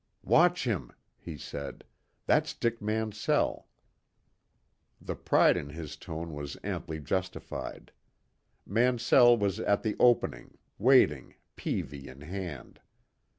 "Watch him," he said. "That's Dick Mansell." The pride in his tone was amply justified. Mansell was at the opening, waiting, peavey in hand.